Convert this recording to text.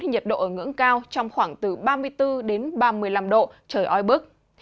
thì nhiệt độ ở ngưỡng cao trong khoảng từ ba mươi bốn ba mươi năm độ trời oi bức